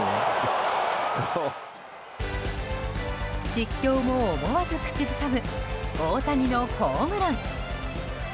実況も思わず口ずさむ大谷のホームラン。